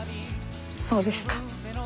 そうですか。